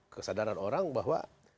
kesadaran orang bahwa